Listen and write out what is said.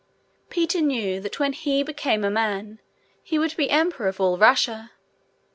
Peter knew that when he became a man he would be emperor of all Russia.